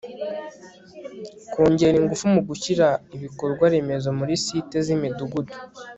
kongera ingufu mu gushyira ibikorwa remezo muri sites z' imidugudu